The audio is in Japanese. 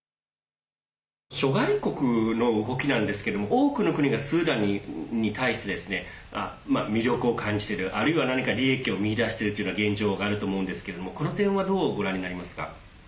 諸外国の動きなんですけども多くの国がスーダンに対してですね魅力を感じているあるいは何か利益を見いだしているという現状があると思うんですけれどもこの点はどう、ご覧になりますか。